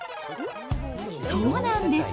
そうなんです。